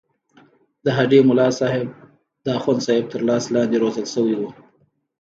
د هډې ملاصاحب د اخوندصاحب تر لاس لاندې روزل شوی وو.